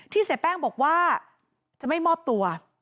เสียแป้งบอกว่าจะไม่มอบตัว